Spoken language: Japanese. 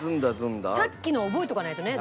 さっきのを覚えとかないとね。